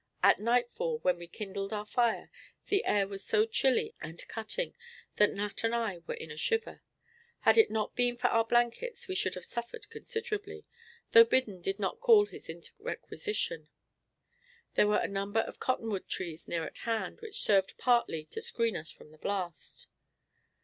At nightfall, when we kindled our fire, the air was so chilly and cutting that Nat and I were in a shiver. Had it not been for our blankets we should have suffered considerably, though Biddon did not call his into requisition. There were a number of cottonwood trees near at hand, which served partly to screen us from the blast.